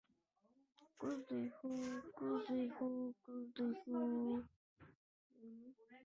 Это позволит нам работать над дальнейшими шагами по кодексу поведения.